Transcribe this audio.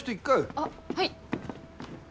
あっはい！